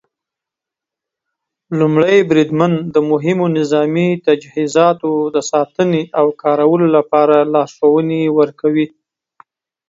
لومړی بریدمن د مهمو نظامي تجهیزاتو د ساتنې او کارولو لپاره لارښوونې ورکوي.